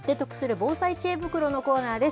防災知恵袋のコーナーです。